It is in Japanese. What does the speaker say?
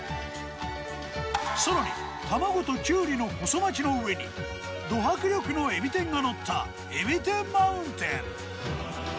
さらに卵ときゅうりの細巻きの上にド迫力のえび天がのったえび天マウンテン。